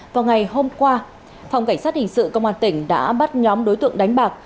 vào ngày hôm qua phòng cảnh sát hình sự công an tỉnh đã bắt nhóm đối tượng đánh bạc